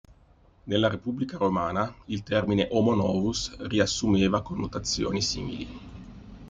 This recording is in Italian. Nella Repubblica romana, il termine "Homo novus" riassumeva connotazioni simili.